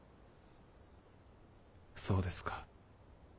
そうですか。